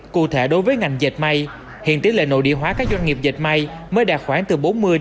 cụ thể đối với ngành dệt may hiện tỷ lệ nội địa hóa các doanh nghiệp dệt may mới đạt khoảng từ bốn mươi năm mươi